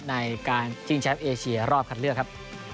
ในการชิงแชมป์เอเชียรอบคัดเลือกครับ